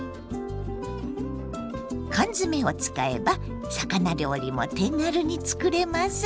缶詰を使えば魚料理も手軽に作れます。